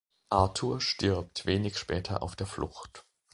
Arthur stirbt wenig später auf der Flucht.